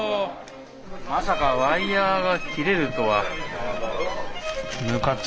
まさかワイヤーが切れるとは。